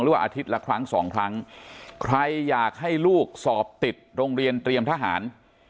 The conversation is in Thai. อาทิตย์ละครั้งสองครั้งใครอยากให้ลูกสอบติดโรงเรียนเตรียมทหาร